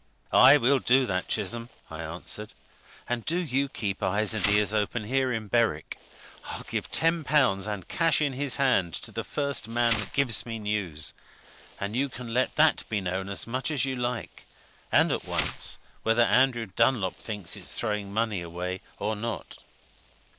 "Aye, we'll do that, Chisholm," I answered. "And do you keep eyes and ears open here in Berwick! I'll give ten pounds, and cash in his hand, to the first man that gives me news; and you can let that be known as much as you like, and at once whether Andrew Dunlop thinks it's throwing money away or not!"